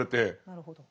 なるほど。